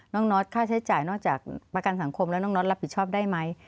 น็อตค่าใช้จ่ายนอกจากประกันสังคมแล้วน้องน็อตรับผิดชอบได้ไหม